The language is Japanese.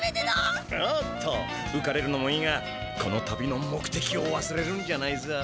おっとうかれるのもいいがこの旅のもくてきをわすれるんじゃないぞ。